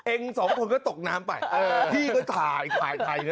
เอ็งสองคนก็ตกน้ำไปพี่ก็ถ่ายถ่ายถ่าย